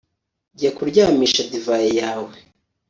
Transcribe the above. jya kuryamisha divayi yawe